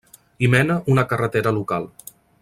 Hi mena una carretera local.